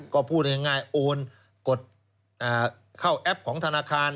ก็พูดง่ายโอนกดเข้าแอปของธนาคาร